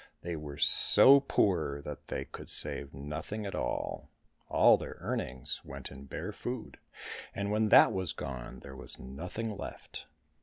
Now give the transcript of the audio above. They were so poor that they could save nothing at all ; all their earnings went in bare food, and when that was gone there was nothing left.